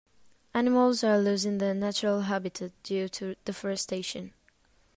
Animals are losing their natural habitat due to deforestation.